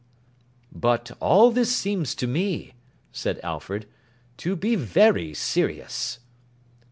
'But, all this seems to me,' said Alfred, 'to be very serious.